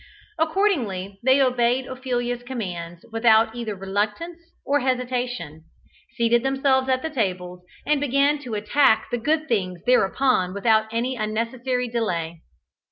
Accordingly they obeyed Ophelia's commands without either reluctance or hesitation, seated themselves at the tables and began to attack the good things thereupon without any unnecessary delay.